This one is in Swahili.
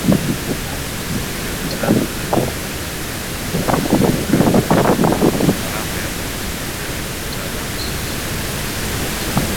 milioni tano za kitanzania ndipo ikapita harambe ya kumchangia Mtaalamu Scofield Ruge